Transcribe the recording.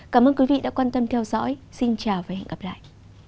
cảm ơn quý vị đã quan tâm theo dõi xin chào và hẹn gặp lại